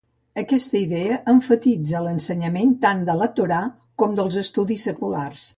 Aquesta idea emfatitza l'ensenyament tant de la Torà com dels estudis seculars.